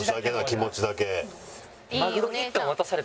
気持ちだけ。